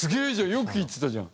よく聞いてたじゃん。